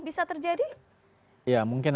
bisa terjadi ya mungkin